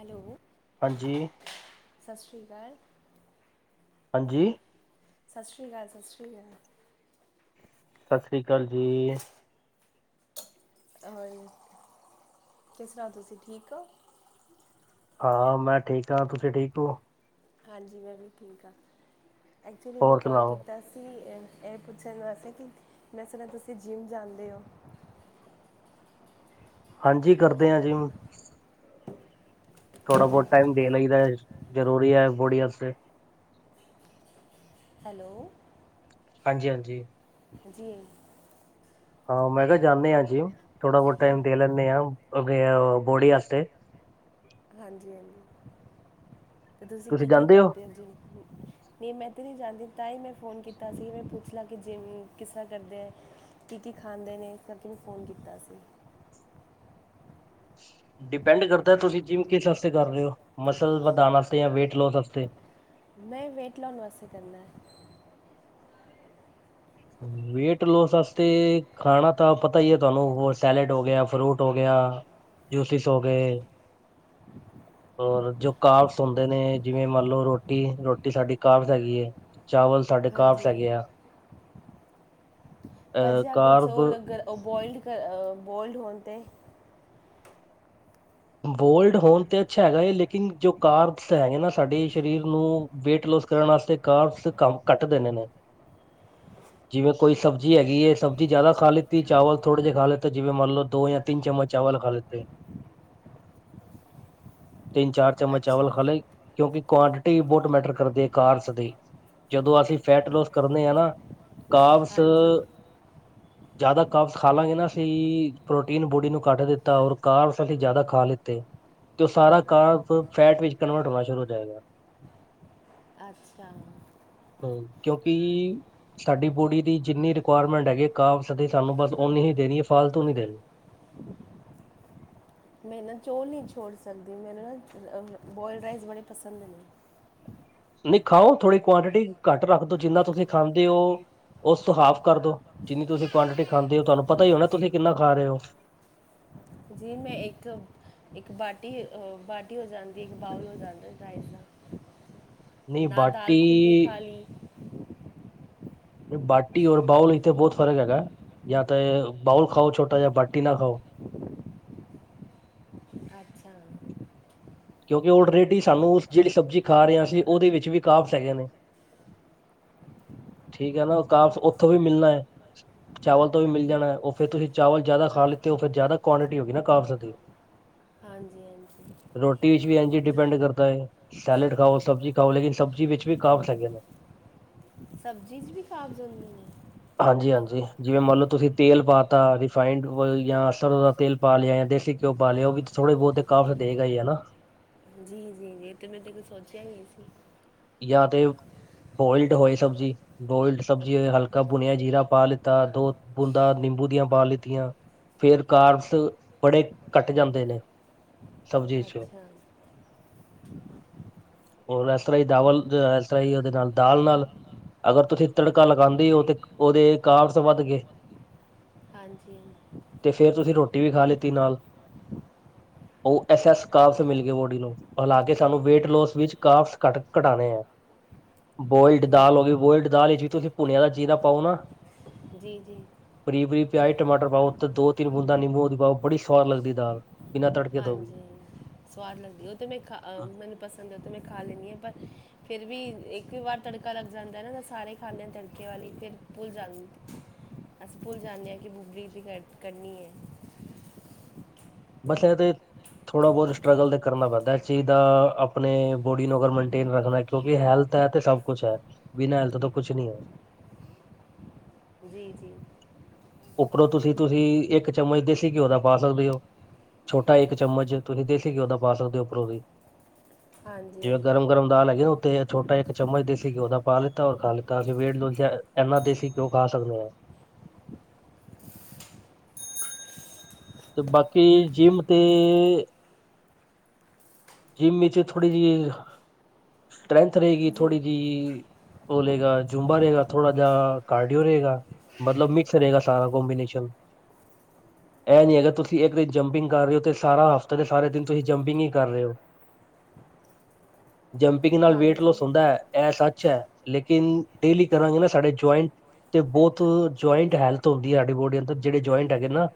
Hello, ਹਾਂਜੀ, ਸਸ ਰੀ ਕਾਲ। ਹਾਂਜੀ, ਸਸ ਰੀ ਕਾਲ, ਸਸ ਰੀ ਕਾਲ। ਸਸ ਰੀ ਕਾਲ ਜੀ। ਹੋਰ ਕੀ ਸੁਣਾਓ, ਤੁਸੀਂ ਠੀਕ ਹੋ। ਹਾਂ ਮੈਂ ਠੀਕ ਹਾਂ, ਤੁਸੀਂ ਠੀਕ ਹੋ। ਹਾਂਜੀ ਮੈਂ ਵੀ ਠੀਕ ਹਾਂ। ਐਕਚੁਲੀ ਮੈਂ ਹੋਰ ਕੌਲ ਸੁਣਾਓ? ਕੀਤਾ ਸੀ। ਇਹ ਪੁੱਛਣ ਵਾਸਤੇ ਕਿ ਮੈਂ ਸੁਣਿਆ ਤੁਸੀਂ ਜਿੰਮ ਜਾਂਦੇ ਹੋ। ਹਾਂਜੀ ਕਰਦੇ ਆ ਜੀ ਹੁਣ ਥੋੜਾ ਬਹੁਤ ਟਾਈਮ ਦੇ ਲਈ ਲਈਦਾ ਜ਼ਰੂਰੀ ਹੈ ਬੋਡੀ ਵਾਸਤੇ। ਹੈਲੋ, ਹਾਂਜੀ -ਹਾਂਜੀ। ਜੀ, ਹਾਂ ਮੈਂ ਕਿਹਾ ਜਾਂਨੇ ਆਂ ਜਿਮ ਥੋੜਾ ਬਹੁਤ ਟਾਈਮ ਦੇ ਲੈਂਦੇ ਹਾਂ ਅ ਬੋਡੀ ਵਾਸਤੇ। ਹਾਂਜੀ -ਹਾਂਜੀ। ਤੇ ਤੁਸੀਂ ਕੀ-ਕੀ ਕਰਦੇ ਹੋ ਜਿਮ ਨਹੀਂ ਮੈਂ ਤਾਂ ਨਹੀਂ ਜਾਂਦੀ ਤਾਂ ਹੀ ਮੈਂ ਫ਼ੋਨ ਕੀਤਾ ਸੀ ਮੈਂ ਪੁੱਛ ਲਾਂ ਕਿ ਜਿਮ ਕਿਸ ਤਰ੍ਹਾਂ ਕਰਦੇ ਹੈ ਕੀ -ਕੀ ਖਾਂਦੇ ਨੇ ਇਸ ਕਰਕੇ ਮੈਂ ਫ਼ੋਨ ਕੀਤਾ ਸੀ। ਡਿਪੈਂਡ ਕਰਦਾ ਤੁਸੀਂ ਜਿੰਮ ਕਿਸ ਵਾਸਤੇ ਕਰ ਰਹੇ ਹੋ ਮਸਲ ਵਧਾਣ ਵਾਸਤੇ ਜਾਂ ਵੇਟ ਲੌਸ ਵਾਸਤੇ। ਮੈਂ ਵੇਟ ਲੌਸ ਵਾਸਤੇ ਕਰਨਾ। ਵੇਟ ਲੋਸ ਵਾਸਤੇ ਖਾਣਾ ਤਾਂ ਪਤਾ ਹੀ ਹੈ ਤੁਹਾਨੂੰ ਹੋਰ ਸੈਲੇਡ ਹੋ ਗਿਆ ਫਰੂਟ ਹੋ ਗਿਆ ਜੂਸਿਸ ਹੋ ਗਏ, ਹੋਰ ਜੋ ਕਾਵਸ ਹੁੰਦੇ ਨੇ ਜਿਵੇਂ ਮੰਨ ਲੋਓ ਰੋਟੀ ਰੋਟੀ ਸਾਡੀ ਕਾਵਸ ਹੈਗੀ ਹੈ ਚਾਵਲ ਸਾਡੇ ਕਾਵਸ ਹਾਂਜੀ ਹੈਗੇ ਆ। ਪਰ ਅ ਜੇ ਅਗਰ ਕਾਰਬ ਚੌਲ ਉਹ ਬੋਆਇਲ ਕਰ ਅ ਅ ਬੋਲਡ ਹੋਣ ਤੇ ਬੋਲਡ ਹੋਣ ਤੇ ਅੱਛਾ ਹੈਗਾ ਹੈ ਲੇਕਿਨ ਜੋ ਕਾਰਬਸ ਹੈਗੇ ਨਾ ਸਾਡੇ ਸਰੀਰ ਨੂੰ ਵੇਟ ਲੋਸ ਕਰਨ ਵਾਸਤੇ ਕਾਰਬਸ ਕੰਮ ਘਟ ਦੇਣੇ ਨੇ, ਜਿਵੇਂ ਕੋਈ ਸਬਜ਼ੀ ਹੈਗੀ ਹੈ ਸਬਜ਼ੀ ਜ਼ਿਆਦਾ ਖਾ ਲਿੱਤੀ ਚਾਵਲ ਥੋੜੇ ਜਿਹੇ ਖਾ ਲਿੱਤੇ ਜਿਵੇਂ ਮੰਨ ਲਓ ਦੋ ਜਾਂ ਤਿੰਨ ਚਮਚ ਚਾਵਲ ਖਾ ਲਿੱਤੇ। ਤਿੰਨ ਚਾਰ ਚਮਚ ਚਾਵਲ ਅੱਛਾ ਖਾ ਲਈ ਕਿਉਂਕਿ ਕੁਆਂਟਿਟੀ ਬਹੁਤ ਮੈਟਰ ਕਰਦੀ ਹੈ ਕਾਰਸ ਦੀ ਜਦੋਂ ਅਸੀਂ ਫੈਟ ਲੋਸ ਕਰਦੇ ਹਾਂ ਨਾ ਕਾਵਸ ਹਾਂਜੀ ਜ਼ਿਆਦਾ ਕਾਵਸ ਖਾ ਲਾਂਗੇ ਨਾ ਅਸੀਂ ਪ੍ਰੋਟੀਨ ਬੋਡੀ ਨੂੰ ਘੱਟ ਦਿੱਤਾ ਔਰ ਕਾਵਸ ਅਸੀਂ ਜ਼ਿਆਦਾ ਖਾ ਲਿੱਤੇ ਤੇ ਉਹ ਸਾਰਾ ਕਾਵਸ ਫੈਟ ਵਿੱਚ ਕਨਵਰਟ ਹੋਣਾ ਸ਼ੁਰੂ ਹੋ ਜਾਏਗਾ, ਅੱਛਾ ਹੂੰ ਕਿਉਂਕਿ ਸਾਡੀ ਬੋਡੀ ਦੀ ਜਿੰਨੀ ਰਿਕੁਆਇਰਮੈਂਟ ਹੈਗੀ ਕਾਵਸ ਨੇ ਸਾਨੂੰ ਬਸ ਓਨੀ ਹੀ ਦੇਣੀ ਹੈ ਫਾਲਤੂ ਨਹੀਂ ਦੇਣੀ। ਮੈਂ ਨਾ ਚੌਲ ਨਹੀਂ ਛੋੜ ਸਕਦੀ, ਮੈਨੂੰ ਨਾ ਬੋਆਇਲਡ ਰਾਈਸ ਬੜੇ ਪਸੰਦ ਨੇ। ਨਹੀਂ ਖਾਓ ਥੋੜ੍ਹੀ ਕੁਆਂਟਿਟੀ ਘੱਟ ਰੱਖ ਦੋ ਜਿੰਨਾ ਤੁਸੀਂ ਖਾਂਦੇ ਹੋ ਉਸ ਤੋਂ ਹਾਫ ਕਰਦੋ, ਜਿੰਨੀ ਤੁਸੀਂ ਕੁਆਂਟਿਟੀ ਖਾਂਦੇ ਹੋ ਤੁਹਾਨੂੰ ਪਤਾ ਹੀ ਹੋਣਾ ਤੁਸੀਂ ਕਿੰਨਾ ਖਾ ਰਹੇ ਹੋ। ਜੀ ਮੈਂ ਇੱਕ ਇੱਕ ਬਾਟੀ -ਬਾਟੀ ਹੋ ਜਾਂਦੀ ਇੱਕ ਬਾਊਲ ਹੋ ਜਾਂਦਾ ਰਾਈਸ ਦਾ। ਨਹੀਂ ਨਾਲ ਦਾਲ ਖੁੱਲੀ ਬਾਟੀ ਖਾਲੀ। [unintelligible] ਬਾਟੀ ਔਰ ਬਾਊਲ ਇੱਥੇ ਬਹੁਤ ਫ਼ਰਕ ਹੈਗਾ ਜਾਂ ਤਾਂ ਬਾਊਲ ਖਾਓ ਛੋਟਾ ਜਾਂ ਬਾਟੀ ਨਾ ਖਾਓ। ਅੱਛਾ ਕਿਉਂਕਿ ਓਲਰੇਡੀ ਸਾਨੂੰ ਉਸ ਜਿਹੜੀ ਸਬਜ਼ੀ ਖਾ ਰਹੇ ਹਾਂ ਅਸੀਂ ਉਹਦੇ ਵਿੱਚ ਵੀ ਕਾਵਸ ਹੈਗੇ ਨੇ ਠੀਕ ਹੈ ਨਾ ਉਹ ਕਾਵਸ ਉੱਥੋਂ ਵੀ ਮਿਲਣਾ ਹੈ ਚਾਵਲ ਤੋਂ ਵੀ ਮਿਲ ਜਾਣਾ ਉਹ ਫੇ ਤੁਸੀਂ ਚਾਵਲ ਜਿਆਦਾ ਖਾ ਲਿੱਤੇ ਫਿਰ ਜ਼ਿਆਦਾ ਕੁਆਟਿਟੀ ਹੋ ਗਈ ਨਾ ਕਾਵਸ ਦੀ ਹਾਂਜੀ ਹਾਂਜੀ ਰੋ ਟੀ ਵਿੱਚ ਵੀ ਡਿਪੈਂਡ ਕਰਦਾ ਹੈ ਸੈਲਡ ਖਾਓ, ਸਬਜ਼ੀ ਖਾਓ ਲੇਕਿਨ ਸਬਜ਼ੀ ਵਿੱਚ ਵੀ ਕਾਕਸ ਹੈਗੇ ਨੇ। ਸਬਜ਼ੀ ਚ ਵੀ ਕਾਬਸ ਹੋੜੇ ਹੈ। ਹਾਂਜੀ ਹਾਂਜੀ ਜਿਵੇਂ ਮੰਨ ਲਓ ਤੁਸੀਂ ਤੇਲ ਪਾਤਾਾ ਰਿਫਾਇਡ ਜਾਂ ਅਸਰ ਦਾ ਤੇਲ ਪਾ ਲਿਆ ਜਾਂ ਦੇਸੀ ਘਿਓ ਪਾ ਲਿਆ ਉਹ ਵੀ ਥੋੜੇ ਬਹੁਤ ਕਾਫ਼ਤ ਹੈਗਾ ਹੀਾ। ਜੀ ਜੀ ਤੇ ਮੈਂ ਤੇ ਕੋ ਸੋਚਿਆ ਹੀ ਨਹੀਂ ਸੀ। ਜਾਂ ਤੇ ਬੋਇਲਡ ਹੋਏ ਸਬਜ਼ੀ ਬੋਇਲਡ ਸਬਜ਼ੀ ਹੋ ਹਲਕਾ ਭੁਣਿਆ ਜੀਰਾ ਪਾ ਲਿੱਤਾ ਦੋ ਬੂੰਦ ਨਿੰਬੂ ਦੀਆਂ ਪਾ ਲਿੱਤੀਆਂ ਫੇਰ ਕਾਰਬਸ ਬੜੇ ਕੱਟ ਜਾਂਦੇ ਨੇ ਸਬਜ਼ੀ ਚ। ਅੱਛਾ ਇਸਰ ਦਾਵਲ ਇਸ ਤਰ੍ਹਾਂ ਹੀ ਉਹਦੇ ਨਾਲ ਦਾਲ ਨਾਲ ਅਗਰ ਤੁਸੀਂ ਤੜਕਾ ਲਗਾਉਂਦੇ ਹੋ ਤੇ ਉਹਦੇ ਕਾਬਸ ਵੱਧ ਗਏ ਹਾਂਜੀ ਤੇ ਫੇਿਰ ਤੁਸੀਂ ਰੋਟੀ ਵੀ ਖਾ ਲਿੱਤੀ ਨਾਲ ਉਹ ਐਸ ਐਸ ਕਾਬਸ ਮਿਲ ਗਏ ਬੋਡੀ ਨੂੰ ਹਾਲਾਂਕਿ ਸਾਨੂੰ ਵੇਟ ਲੋਸ ਵਿੱਚ ਕਾਬਸ ਘਟ ਘਟਾਣੇ ਹੈ ਬੋਇਲਡ ਹੂੰ ਦਾਲ ਹੋ ਗਈ ਬੋਇਲਡ ਦਾਲ ਚ ਤੁਸੀਂ ਭੁਣਿਆ ਦਾ ਜੀਰਾ ਪਾਓ ਨਾ। ਜੀ, ਜੀ। ਬਰੀਕ ਬਰੀਕ ਪਿਆਜ ਟਮਾਟਰ ਪਾਓ ਤੇ ਦੋ ਤਿੰਨ ਬੂੰਦਾ ਨਿੰਬੂ ਦੀ ਪਾਓ ਬੜੀ ਸਆਦ ਲੱਗਦੀ ਦਾਲ। ਬਿਨਾਂ ਤੜਕੇ ਤੋਂ ਵੀ ਹਾਂਜੀ। ਸਵਾਦ ਲੱਗਦੀ ਉਹ ਤਾਂ ਮੈਂ ਖਾ ਮੈਨੂੰ ਪਸੰਦ ਆ ਤਾਂ ਮੈਂ ਖਾ ਲੈਂਦੀ ਹਾਂ। ਪਰ ਫਿਰ ਵੀ ਇੱਕ ਵਾਰ ਤੜਕਾ ਲੱਗ ਜਾਂਦਾ ਨਾ ਸਾਰੇ ਖਾਦੇ ਆ ਤੜਕੇ ਵਾਲੀ ਫਿਰ ਭੁੱਲ ਜਾਂ ਅਸ ਭੁੱਲ ਜਾਂਦੇ ਆ ਕਿ [unintelligible] ਹੈ। ਬਸ ਇਹ ਤੇ ਥੋੜ੍ਹਾ ਬਹੁਤ ਸਟਰਗਲ ਤੇ ਕਰਨਾ ਪੈਂਦਾ ਇਸ ਚੀਜ਼ ਦਾ ਆਪਣੇ ਬੋਡੀ ਨੂੰ ਅਗਰ ਮੇਨਟੇਨ ਰੱਖਣਾ ਕਿਉਂਕਿ ਹੈਲਥ ਹੈ। ਤੇ ਸਭ ਕੁਛ ਹੈ। ਬਿਨਾਂ ਹੈਲਥ ਤੋਂ ਕੁਛ ਨਹੀ ਹੈ। ਜੀ ਜੀ ਉੱਪਰੋਂ ਤੁਸੀਂ ਤੁਸੀਂ ਇੱਕ ਚਮਚ ਦੇਸੀ ਘਿਓ ਦਾ ਪਾ ਸਕਦੇ ਹੋ ਛੋਟਾ ਇੱਕ ਚਮਚ ਤੁਸੀਂ ਦੇਸੀ ਘਿਓ ਦਾ ਪਾ ਸਕਦੇ ਹੋ ਉੱਪਰੋਂ ਵੀ। ਹਾਂਜੀ ਜਿਵੇਂ ਹਾਂਜੀ ਗਰਮ ਗਰਮ ਦਾਲ ਹੈਗੀ ਨਾ। ਤੇ ਛੋਟਾ ਇੱਕ ਚਮਚ ਦੇਸੀ ਘਿਓ ਦਾ ਪਾ ਲਿੱਤਾ ਔਰ ਖਾ ਲਿੱਤਾ ਅਸੀਂ ਵੇ ਇਨਾ ਦੇਸੀ ਘਿਓ ਖਾ ਸਕਦੇ ਹਾਂ। ਤੇ ਬਾਕੀ ਜਿੰਮ ਤੇ ਜਿੰਮ ਇਥੇ ਥੋੜੀ ਜਿ ਸਟਰੈਂਥ ਰਹੇਗੀ। ਜੀ ਥੋੜ੍ਹੀ ਜਿਹੀ ਉਹ ਲਗਾ ਜੂੰਬਾ ਰਹੇਗਾ ਥੋੜ੍ਹਾ ਜਿਹਾ ਕਾਰਡੀਓ ਰਹੇਗਾ ਮਤਲਬ ਮਿਕਸ ਰਹੇਗਾ ਸਾਰਾ ਕੋਂਬੀਨੇਸ਼ਨ ਇਹ ਨਹੀ ਹੈਗਾ ਤੁਸੀਂ ਇੱਕ ਦਿਨ ਜੰਪਿੰਗ ਕਰ ਰਹੇ ਹੋ ਤੇ ਸਾਰਾ ਹਫ਼ਤਾ ਦੇ ਸਾਰੇ ਦਿਨ ਤੁਸੀਂ ਜੰਪਿੰਗ ਹੀ ਕਰ ਰਹੇ ਹੋ। ਜੰਪਿੰਗ ਨਾਲ ਵੇਟ ਹਾਂਜੀ ਲੋਸ ਹੁੰਦਾ ਹੈ। ਇਹ ਸੱਚ ਅੱਛਾ ਲੇਕਿਨ ਡੇਲੀ ਕਰਾਂਗੇ। ਨਾ ਸਾਡੇ ਜਆਇੰਟ ਤੇ ਬਹੁਤ ਜਆਇੰਟ ਹੈਲਥ ਹੁੰਦੀ ਹੈ। ਸਾਡੀ ਬੋਡੀ ਅੰ ਜਿਹੜੇ ਜੁਆਇੰਟ ਹੈਗੇ ਨਾ।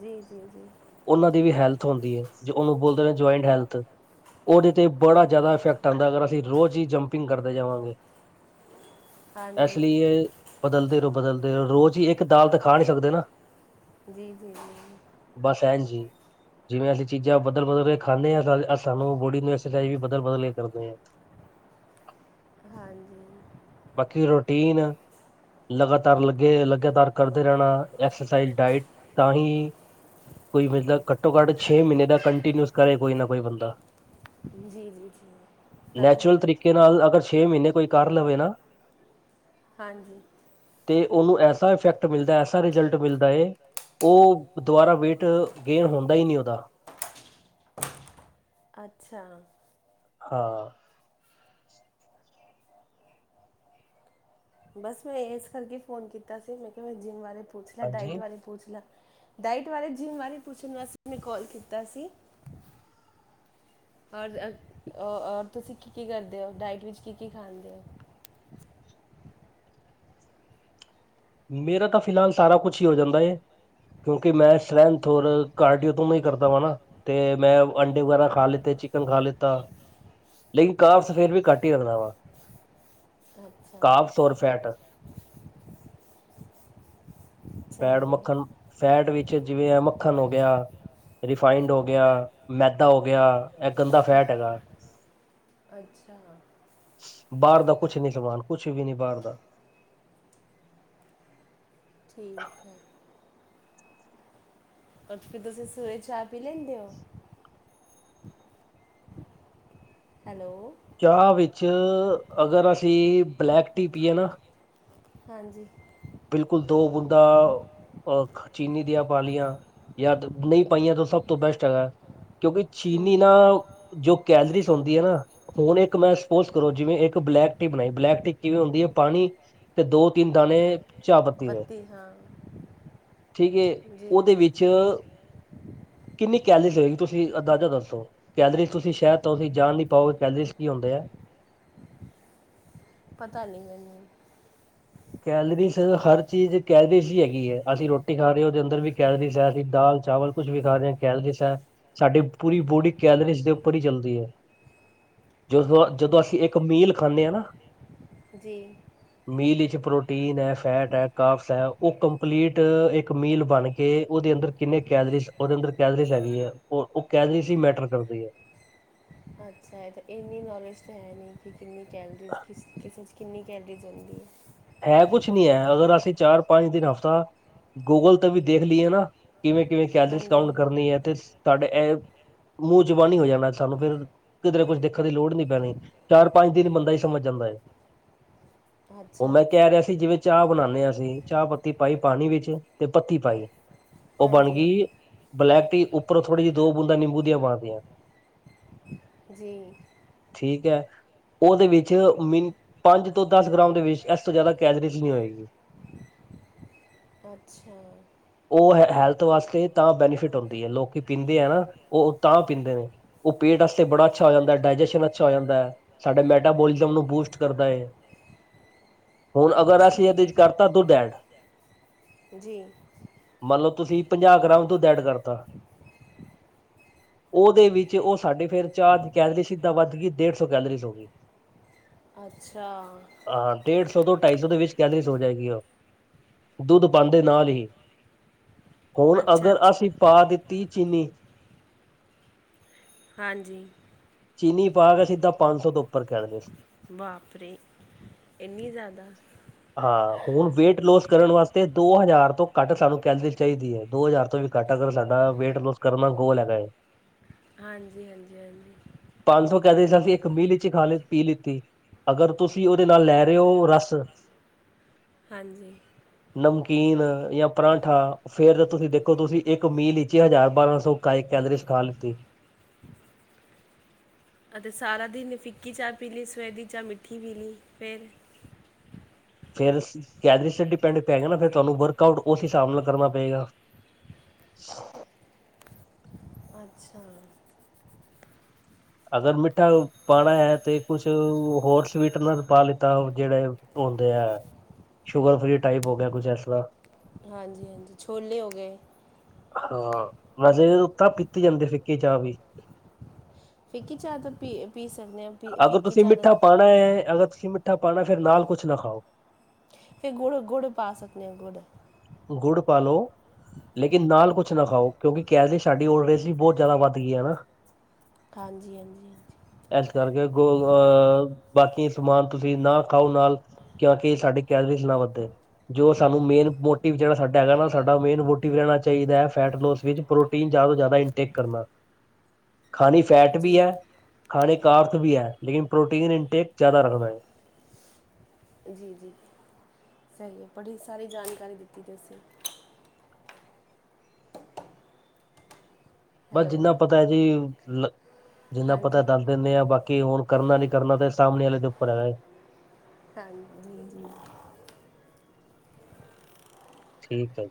ਜੀ, ਜੀ, ਜੀ। ਉਹਨਾਂ ਦੀ ਵੀ ਹੈਲਥ ਹੁੰਦੀ ਹੈ। ਜੋ ਉਹਨੂੰ ਬੋਲਦੇ ਨੇ ਜੁਆਇੰਟ ਹੈਲਥ ਉਹਦੇ 'ਤੇ ਬੜਾ ਜ਼ਿਆਦਾ ਇਫੈਕਟ ਆਉਂਦਾ ਅਗਰ ਅਸੀਂ ਰੋਜ਼ ਹੀ ਜੰਪਿੰਗ ਕਰਦੇ ਜਾਵਾਂਗੇ। ਇਸ ਹਾਂਜੀ ਲਈ ਬਦਲਦੇ ਲੋ। ਬਦਲਦੇ ਰੋਜ਼ ਹੀ ਇੱਕ ਦਾਲ ਤਾਂ ਖਾ ਨਹੀਂ ਸਕਦੇ ਨਾ। ਜੀ, ਜੀ, ਜੀ। ਬ ਸਹਿ ਜੀ ਜਿਵੇਂ ਅਸੀਂ ਚੀਜ਼ਾਂ ਬਦਲ, ਬਦਲ ਕੇ ਖਾਂਦੇ ਸਾਨੂੰ ਬੋਡੀ ਨੂੰ ਐਕਸਰਸਾਈਜ਼ ਵੀ ਬਦਲ, ਬਦਲ ਕੇ ਕਰਦੇ ਹ [unintelligible] ਹਾਂਜੀ ਬਾਕੀ ਰੂਟੀਨ ਲਗਾਤਾਰ ਲੱਗੇ ਲਗਾਤਾਰ ਕਰਦੇ ਰਹਿਣਾ ਐਕਸਰਸਾਈਜ਼ ਡਾਇਟ ਤਾਂ ਹੀ ਕੋਈ ਮਤਲਬ ਘੱਟੋ ਘੱਟ ਛੇ ਮਹੀਨੇ ਦਾ ਕੰਟੀਨਿਊਸ ਕਰੇ ਕੋਈ ਨਾ ਕੋਈ ਬੰਦਾ। ਜੀ, ਜੀ, ਜੀ। ਤਾਂ ਨੈਚੁਰਲ ਤਰੀਕੇ ਨਾਲ ਅਗਰ ਛੇ ਮਹੀਨੇ ਕੋਈ ਕਰ ਲਵੇ ਨਾ। ਹਾਂਜੀ। ਤੇ ਉਹਨੂੰ ਐਸਾ ਇਫੈਕਟ ਮਿਲਦਾ, ਐਸਾ ਰਿਜ਼ਲਟ ਮਿਲਦਾ ਹੈਏ ਉਹ ਦੁਬਾਰਾ ਵੇਟ ਗੇਨ ਹੁੰਦਾ ਹੀ ਨਹੀਂ ਉਹਦਾ। ਅੱਛਾ। ਹਾਂ। [unintelligible] ਬਸ ਮੈਂ ਇਸ ਕਰਕੇ ਫੋਨ ਕੀਤਾ ਸੀ ਮੈਂ ਕਿਹਾ ਮ ਜਿੰਮ ਬਾਰੇ ਪੁੱਛਲਾ ਹਾਂਜੀ ਡਾਈਟ ਬਾਰੇ ਪੁੱਛਲਾ। ਡਾਇਟ ਬਾਰੇ ਜਿਮ ਬਾਰੇ ਪੁੱਛਣ ਵਾਸਤੇ ਮ ਕਾਲ ਕੀਤਾ ਸੀ ਹੋਰ ਹੋਰ ਤੁਸੀਂ ਕੀ ਕੀ ਕਰਦੇ ਹੋ ਡਾਇਟ ਵਿੱਚ ਕੀ ਕੀ ਖਾਂਦੇ ਹੋ? ਮੇਰਾ ਤਾਂ ਫਿਲਹਾਲ ਸਾਰਾ ਕੁਛ ਹੀ ਹੋ ਜਾਂਦਾ ਏ ਕਿਉਂਕਿ ਮੈਂ ਸਰੈਂਥ ਔਰ ਕਾਰਡੀਓ ਤੋਂ ਹੀ ਕਰਦਾ ਵਾਂ ਨਾ ਤੇ ਮੈਂ ਅੰਡੇ ਵਗੈਰਾ ਖਾ ਲਿੱਤੇ ਚਿਕਨ ਖਾ ਲਿੱਤਾ ਲੇਕਿਨ ਕਾਪਸ ਫੇਿਰ ਵੀ ਘੱਟ ਹੀ ਰੱਖਦਾ ਵਾਂ ਕਾਪਸ ਔਰ ਫੈਟ ਪੈੜ ਮੱਖਣ ਫੈਟ ਵੀ। ਪਿੱਛੇ ਜਿਵੇਂ ਮੱਖਣ ਹੋ ਗਿਆ ਰਫਾਇੰਡ ਹੋ ਗਿਆ ਮੈਦਾ ਹੋ ਗਿਆ ਇਹ ਗੰਦਾ ਫੈਟ ਹੈਗਾ ਬਾਹਰ ਦਾ ਕੁਛ ਨੀ ਸਮਾਨ ਕੁਛ ਵੀ ਨੀ ਬਾਹਰ ਦਾ [inaudible] ਪਰ ਫਿਰ ਤੁਸੀਂ ਸਵੇਰੇ ਚਾਅ ਪੀ ਲੈਂਦੇ ਹੋ? ਹੈਲੋ ਚਾਹ ਵਿੱਚ ਅਗਰ ਅਸੀਂ ਬਲੈਕ ਟੀ ਪੀਏ ਨਾ ਹਾਂਜੀ ਬਿਲਕੁਲ ਦੋ ਬੂੰਦਾ ਅ ਚੀਨੀ ਦੀਆਂ ਪਾਾਲੀਆਂ ਜਾਂ ਨਹੀਂ ਪਾਈਆਂ ਤਾਂ ਸਭ ਤੋਂ ਬੈਸਟ ਹੈਗਾ। ਕਿਉਂਕਿ ਹੂੰ ਚੀਨੀ ਨਾ ਹੂੰ ਜੋ ਕੈਲਰੀਜ਼ ਹੁੰਦੀ ਹੈ ਨਾ ਹੁਣ ਇੱਕ ਮੈਂ ਸਪੋਜ ਕਰੋ ਜਿਵੇਂ ਇੱਕ ਬਲੈਕ ਟੀ ਬਣਾਈ ਬਲੈਕ ਟੀ ਕਿਵੇਂ ਹੁੰਦੀ ਹੈ ਪਾਣੀ ਤੇ ਦੋ ਤਿੰਨ ਦਾਣੇ ਚਾਹ ਪੱਤੀ ਦੇ ਠੀਕ ਹੈ ਜੀ ਉਹਦੇ ਜੀ ਵਿੱਚ ਕਿੰਨੀ ਕੈਲਰੀਜ਼ ਹੋਏਗੀ ਤੁਸੀਂ ਅੰਦਾਜ਼ਾ ਦੱਸੋ ਕੈਲਰੀਜ਼ ਤੁਸੀਂ ਸ਼ਾਇਦ ਤੁਸੀਂ ਜਾਣ ਨਹੀਂ ਪਾਓਗੇ ਕੈਲਰੀਜ਼ ਕੀ ਹੁੰਦੇ ਹੈ ਪਤਾ ਨੀ ਮੈਨੂੰ ਕੈਲਰੀਜ਼ ਹਰ ਚੀਜ਼ ਕੈਲਰੀਜ਼ ਹੀ ਹੈਗੀ ਹੈ ਅਸੀਂ ਰੋਟੀ ਖਾ ਰਹੇ ਹਾਂ ਉਹਦੇ ਅੰਦਰ ਵੀ ਕੈਲਰੀਜ਼ ਹੈ ਅਸੀਂ ਦਾਲ ਚਾਵਲ ਕੁਛ ਵੀ ਖਾ ਰਹੇ ਹਾਂ ਕੈਲਰੀਜ਼ ਹੈ ਸਾਡੀ ਪੂਰੀ ਬੋਡੀ ਕੈਲਰੀਜ਼ ਦੇ ਉੱਪਰ ਹੀ ਚੱਲਦੀ ਹੈ ਜਦੋਂ ਜਦੋਂ ਅਸੀਂ ਇੱਕ ਮੀਲ ਖਾਂਦੇ ਹਾਂ ਨਾ ਜੀ ਮੀਲ ਵਿੱਚ ਪ੍ਰੋਟੀਨ ਹੈ ਫੈਟ ਹੈ ਕਾਫਸ ਹੈ ਉਹ ਕੰਪਲੀਟ ਇੱਕ ਮੀਲ ਬਣ ਕੇ ਉਹਦੇ ਅੰਦਰ ਕਿੰਨੇ ਕੈਲਰੀਜ਼ ਉਹਦੇ ਅੰਦਰ ਕੈਲਰੀਜ਼ ਹੈਗੀ ਹੈ ਉਹ ਉਹ ਕੈਲਰੀਜ਼ ਹੀ ਮੈਟਰ ਕਰਦੀ ਹੈ। ਅੱਛਾ ਇਹ ਤਾਂ ਇੰਨੀ ਨੌਲੇਜ ਤਾਂ ਹੈ ਨਹੀਂ। ਕਿੰਨੀ ਕੈਲਰੀ ਕਿਸ ਕਿਸ ਕਿੰਨੀ ਕੈਲੋਰੀਜ ਹੁੰਦੀ ਹੈ? ਹੈ ਕੁਛ ਨਹੀਂ ਹੈ ਅਗਰ ਅਸੀਂ ਚਾਰ ਪੰਜ ਦਿਨ ਹਫ਼ਤਾ ਗੂਗਲ ਤੇ ਵੀ ਦੇਖ ਲਈਏ ਨਾ। ਕਿਵੇਂ ਕਿਵੇਂ ਕਿਆ ਹਾਂਜੀ ਡਿਸਕਾਊਂਟ ਹਾਂ। ਕਰਨੀ ਹੈ ਤੇ ਸਾਡੇ ਇਹ ਮੂੰਹ ਜਬਾਨੀ ਹੋ ਜਾਣਾ ਸਾਨੂੰ ਫਿਰ ਕਿਧਰੇ ਕੁਝ ਦੇਖਣ ਦੀ ਲੋੜ ਨੀ ਪੈਣੀ ਚਾਰ ਪੰਜ ਦਿਨ ਵਿੱਚ ਬੰਦਾ ਹੀ ਸਮਝ ਜਾਂਦਾ ਹੈ। ਉਹ ਮੈਂ ਅੱਛਾ ਕਹਿ ਰਿਹਾ ਸੀ ਜਿਵੇਂ ਚਾਹ ਬਣਾਉਂਦੇ ਹਾਂ। ਅਸੀ ਚਾਹ ਪੱਤੀ ਪਾਈ ਪਾਣੀ ਵਿੱਚ ਤੇ ਪੱਤੀ ਪਾਈ। ਉਹ ਬਣ ਹਾਂਜੀ ਗਈ ਹਾਂਜੀ ਬਲੈਕ ਟੀ ਉੱਪ ਉੱਪਰੋਂ ਥੋੜੀ ਜਿਹੀ ਦੋ ਬੂੰਦਾ ਨਿੰਬੂ ਦੀਆਂ ਪਾ ਦਿੱਤੀਆਂ। ਜੀ ਠੀਕ ਹੈ ਉਹਦੇ ਵਿੱਚ ਮ ਪੰਜ ਤੋਂ ਦਸ ਗ੍ਰਾਮ ਦੇ ਵਿੱਚ ਇਸ ਤੋਂ ਜ਼ਿਆਦਾ ਕੈਲੋਰੀਜ਼ ਨਹੀਂ ਹੋਏਗੀ। ਅੱਛਾ ਉਹ ਹੈਲਥ ਵਾਸਤੇ ਤਾਂ ਬੈਨੀਫਿਟ ਹੁੰਦੀ ਹੈ ਲੋਕੀ ਪੀਂਦੇ ਹੈ ਨਾ ਉਹ ਤਾਂ ਪੀਂਦੇ ਨੇ ਉਹ ਪੇਟ ਵਾਸਤੇ ਬੜਾ ਅੱਛਾ ਹੋ ਜਾਂਦਾ ਡਾਇਜੈਸ਼ਨ ਅੱਛਾ ਹੋ ਜਾਂਦਾ ਹੈ ਸਾਡੇ ਮੈਟਾਪੋਲਿਸਮ ਨੂੰ ਬੂਸਟ ਕਰਦਾ ਹੈ। ਹੁਣ ਅਗਰ ਸਹੀ ਅਸੀਂ ਇਹਦੇ ਵਿੱਚ ਕਰਤਾ ਦੁੱਧ ਐਡ। ਜੀ ਮੰਨਲਓ ਤੁਸੀਂ ਪੰਜਾਹ ਗ੍ਰਾਮ ਦੁੱਧ ਐਡ ਕਰਤਾ ਉਹਦੇ ਵਿੱਚ ਉਹ ਸਾਡੇ ਫੇਿਰ ਚਾਹ ਵਿੱਚ ਕੈਲਰੀਜ਼ਸਿੱਧਾ ਵੱਧ ਗਈ ਡੇਢ ਸੌ ਕੈਲਰੀਜ਼ ਹੋ ਗਈ। ਅੱਛਾ ਹਾਂ ਡੇਢ ਸੌ ਤੋਂ ਢਾਈ ਸੌ ਦੇ ਵਿੱਚ ਕੈਲਰੀਜ਼ ਹੋ ਜਾਏਗੀ ਉਹ ਦੁੱਧ ਪਾਉਦੇ ਨਾਲ ਹੀ। ਹੁਣ ਅੱਛਾ ਅਗਰ ਅੱਛਾ ਅਸੀਂ ਪਾ ਦਿੱਤੀ। ਚੀਨੀ ਹਾਂਜੀ ਚੀਨੀ ਪਾ ਕੇ ਸਿੱਧਾ ਪੰਜ ਸੌ ਤੋਂ ਉੱਪਰ ਕਹਿ ਦਿਓ ਬਾਪਰੇ ਇੰਨੀ ਜ਼ਿਆਦਾ ਹਾਂ ਹੁਣ ਵੇਟ ਲੋਸ ਕਰਨ ਵਾਸਤੇ ਦੋ ਹਜ਼ਾਰ ਤੋਂ ਘੱਟ ਸਾਨੂੰ ਕੈਲਰੀ ਚਾਹੀਦੀ ਹੈ ਦੋ ਹਜ਼ਾਰ ਤੋਂ ਵੀ ਘੱਟ ਅਗਰ ਸਾਡਾ ਵੇਟ ਲੋਸ ਕਰਨ ਦਾ ਗੋਲ ਹੈਗਾ ਹੈ ਹਾਂਜੀ ਹਾਂਜੀ ਹਾਂਜੀ ਕਹਿੰਦੇ ਸੀਂ ਇੱਕ ਮਿੰਟ ਚੀ ਖਾ ਪੀ ਲਿੱਤੀ ਅਗਰ ਤੁਸੀਂ ਤੁਸੀਂ ਉਹਦੇ ਨਾਲ ਲੈ ਰਹੇ ਹੋ ਰਸ ਹਾਂਜੀ ਨਮਕੀਨ ਜਾਂ ਪਰਾਂਠਾ ਫੇਰ ਤਾਂ ਤੁਸੀਂ ਦੇਖੋ ਤੁਸੀਂ ਇੱਕ ਮਿੰਟ ਵਿੱਚ ਹਜ਼ਾਰ ਬਾਰਾਂ ਸੌ ਕਏ ਕੈਲੋਰੀਜ ਖਾ ਲਿੱਤੀ ਅਤੇ ਸਾਰਾ ਦਿਨ ਫਿੱਕੀ ਚਾਹ ਪੀ ਲਈ ਸਵੇਰ ਦੀ ਚਾਹ ਮਿੱਠੀ ਪੀ ਲਈ ਫੇਿਰ ਫੇਰ ਕੈਦ ਤੇ ਡਿਪੈਂਡ ਪੈਗਾ ਨਾ ਫਿਰ ਤੁਹਾਨੂੰ ਵਰਕ ਆਊਟ ਉਸ ਹਿਸਾਬ ਨਾਲ ਕਰਨਾ ਪਏਗਾ ਅੱਛਾ ਅਗਰ ਮਿੱਠਾ ਪਾਉਣਾ ਹੈ ਤੇ ਕੁਛ ਹੋਰ ਸਵੀਟ ਨਾਲ ਪਾ ਲਿੱਤਾ ਜਿਹੜੇ ਹੁੰਦੇ ਹੈ ਸ਼ੂਗਰ ਫ੍ਰਰੀ ਟਾਈਪ ਹੋ ਗਿਆ ਕੁਛ ਇਸਰ ਹਾਂਜੀ ਹਾਂਜੀ ਛੋਲੇ ਹੋ ਗਏ ਹਾਂ ਮੇ ਤਾਂ ਪੀਤੇ ਜਾਂਦੇ ਫਿੱਕੇ ਚਾਹ ਵੀ ਫਕੀ ਚਾਹ ਤਾਂ ਪੀ ਪੀ ਸਕਦੇ ਹਾਂ ਪੀ ਅਗਰ ਫਿੱਕੀ ਤੁਸੀਂ ਚਾਹ ਤਾਂ ਮਿੱਠਾ ਪਾਉਣਾ ਹੈ ਅਗਰ ਅ ਮਿੱਠਾ ਪਾਉਣਾ ਫਿਰ ਨਾਲ ਕੁਛ ਨਾ ਖਾਓ ਇਹ ਗੁੜ ਗੁੜ ਪਾ ਸਕਦੇ ਹਾਂ ਗੁੜ [inaudible] ਹਾਂਜੀ ਹਾਂਜੀ ਹਾਂਜੀ ਇਸ ਕਰਕੇ ਗੋ ਅਹ ਬਾਕੀ ਸਮਾਨ ਤੁਸੀਂ ਨਾ ਖਾਓ ਨਾਲ ਕਿਉਂਕਿ ਸਾਡੀ ਕੈਲਰੀਜ਼ ਨਾ ਵੱਧੇ ਜੋ ਸਾਨੂੰ ਮੇਨ ਮੋਟਿਵ ਜਿਹੜਾ ਸਾਡਾ ਹੈਗਾ ਨਾ ਸਾਡਾ ਮੇਨ ਮੋਟਿਵ ਰਹਿਣਾ ਚਾਹੀਦਾ ਹੈ ਫੈਟ ਲੋਸ ਵਿੱਚ ਪ੍ਰੋਟੀਨ ਜ਼ਿਆਦਾ ਤੋਂ ਜ਼ਿਆਦਾ ਇਨਟੇਕ ਕਰਨਾ ਖਾਣੀ ਫੈਟ ਵੀ ਹਾਂਜੀ ਹੈ ਖਾਣੇ ਅਰਥ ਵੀ ਹੈ ਲੇਕਿਨ ਪ੍ਰੋਟੀਨ ਇਨਟੇਕ ਜਿਆਦਾ ਰੱਖਦਾ ਕੀ ਕਰਨਵੀ ਹੈ ਲੇਨ ਪ੍ਰੋਟੀਨ ਇਨਟੇਕ ਜ਼ਿਆਦਾ ਰੱਖਦਾ ਹੈ ਜੀ ਜੀ ਸਹੀ ਹੈ ਬੜੀ ਸਾਰੀ ਜਾਣਕਾਰੀ ਦਿੱਤੀ ਦੀ ਤੁਸੀਂ ਬਸ ਹੈਲੋ ਜਿੰਨਾ ਪਤਾ ਹੈ ਜੀ ਲ ਜਿੰਨਾ ਪਤਾ ਹਾਂਜੀ ਦੱਸ ਦਿੰਦੇ ਆ ਬਾਕੀ ਕਿ ਹੁਣ ਕਰਨਾ ਨੀ ਕਰਨਾ ਤੇ ਸਾਹਮਣੇ ਵਾਲੇ ਦੇ ਉੱਪਰ ਹੈਗਾ ਜੀ ਜੀ ਠੀਕ ਹੈ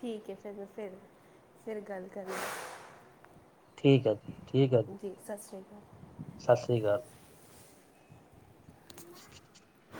ਠੀਕ ਹੈ ਫਿਰ ਮੈਂ ਫਿਰ ਫਿਰ ਗੱਲ ਕਰਾਂ ਠੀਕ ਹੈ ਠੀਕ ਹੈ ਜੀ ਸਤਿ ਸ਼੍ਰੀ ਅਕਾਲ ਸਤਿ ਸ੍ਰੀ ਅਕਾਲ [inaudible]